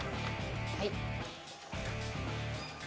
はい。